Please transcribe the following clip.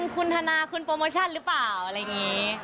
คุณธนาคุณโปรโมชั่นหรือเปล่าอะไรอย่างนี้